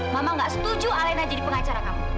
mama gak setuju alena jadi pengacara kamu